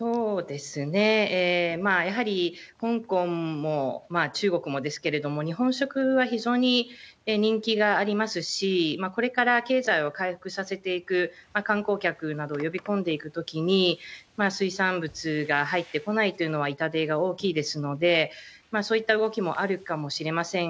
やはり、香港も中国もですけれども、日本食は非常に人気がありますし、これから経済を回復させていく、観光客などを呼び込んでいくときに、水産物が入ってこないというのは痛手が大きいですので、そういった動きもあるかもしれません。